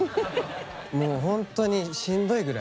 もうほんとにしんどいぐらい。